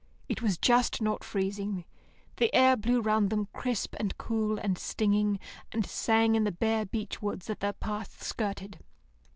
It was just not freezing. The air blew round them crisp and cool and stinging, and sang in the bare beech woods that their path skirted.